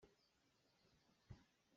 Na hawile kha na pheu hna lai lo.